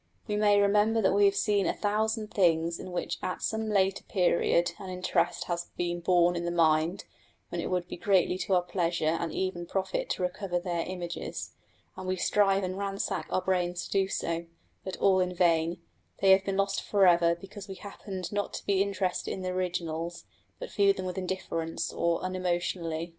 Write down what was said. We may remember that we have seen a thousand things in which at some later period an interest has been born in the mind, when it would be greatly to our pleasure and even profit to recover their images, and we strive and ransack our brains to do so, but all in vain: they have been lost for ever because we happened not to be interested in the originals, but viewed them with indifference, or unemotionally.